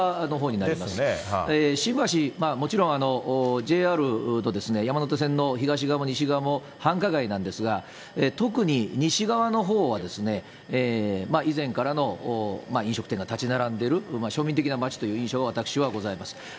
新橋、もちろん、ＪＲと山手線の東側、西側も繁華街なんですが、特に西側のほうは、以前からの飲食店が建ち並んでいる、庶民的な街という印象が私はございます。